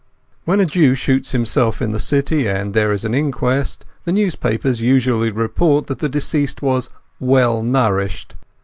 When a Jew shoots himself in the City and there is an inquest, the newspapers usually report that the deceased was "well nourished".